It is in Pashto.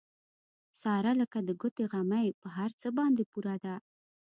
ساره لکه د ګوتې غمی په هر څه باندې پوره ده.